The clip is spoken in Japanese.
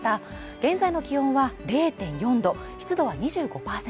現在の気温は０．４度湿度は２５％